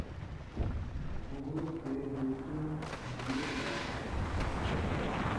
ਉਹ ਤੇ ਵਿਚ ਮੁੜ ਵਿਧਾਇਕ ਬਣੇ